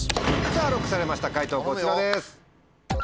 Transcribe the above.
ＬＯＣＫされました解答こちらです。